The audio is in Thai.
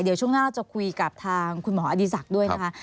เดี๋ยวช่วงหน้าจะคุยกับทางคุณหมออดีศักดิ์ด้วยนะคะ